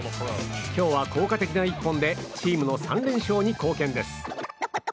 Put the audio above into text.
今日は効果的な１本でチームの３連勝に貢献です。